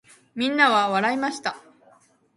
皆は笑いました。